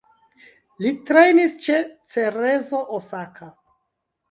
Li trejnis ĉe Cerezo Osaka.